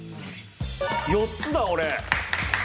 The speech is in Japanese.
４つだ俺！